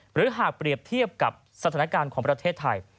หรือหากเปรียบเทียบกับสถานการณ์ของประเทศไทย